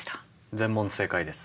全問正解です。